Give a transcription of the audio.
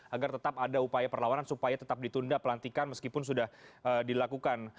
agar tetap ada upaya perlawanan supaya tetap ditunda pelantikan meskipun sudah dilakukan